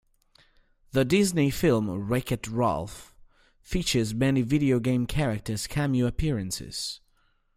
The Disney film "Wreck-It Ralph" features many video game character cameo appearances.